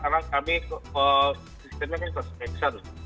karena kami sistemnya kan prospeksen